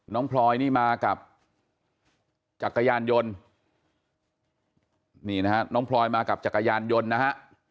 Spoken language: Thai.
พลอยนี่มากับจักรยานยนต์นี่นะฮะน้องพลอยมากับจักรยานยนต์นะฮะ